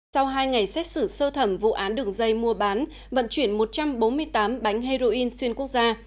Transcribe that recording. sau hai ngày xét xử sơ thẩm vụ án đường dây mua bán vận chuyển một trăm bốn mươi tám bánh heroin xuyên quốc gia